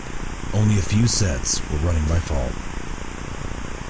Only a few sets were running by fall.